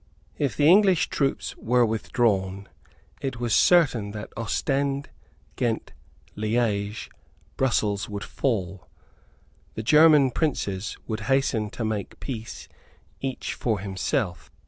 If the English troops were withdrawn, it was certain that Ostend, Ghent, Liege, Brussels would fall. The German Princes would hasten to make peace, each for himself.